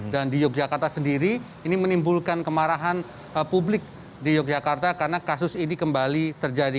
dan di yogyakarta sendiri ini menimbulkan kemarahan publik di yogyakarta karena kasus ini kembali terjadi